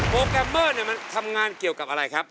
แกรมเมอร์เนี่ยมันทำงานเกี่ยวกับอะไรครับ